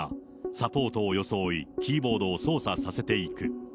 サポートを装い、キーボードを操作させていく。